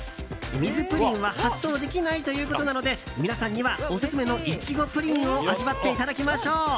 水ぷりんは発送できないということなので皆さんにはオススメのいちごぷりんを味わっていただきましょう。